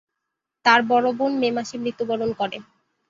তার বড় বোন মে মাসে মৃত্যুবরণ করে।